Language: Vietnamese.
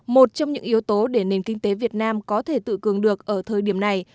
một trong những yếu tố để nền kinh tế việt nam có thể tự cường được ở thời điểm này